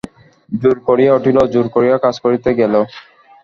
জোর করিয়া উঠিল, জোর করিয়া কাজ করিতে গেল।